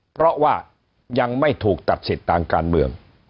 เพราะว่ายังไม่ถูกตัดสิทธิ์ทางการเมือง